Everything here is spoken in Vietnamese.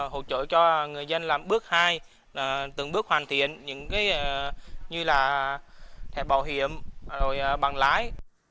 hỗ trợ cho người dân làm bước hai từng bước hoàn thiện như là thẻ bảo hiểm rồi bằng lái